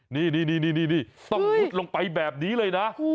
นี่ต้องมุดลงไปแบบนี้เลยนะ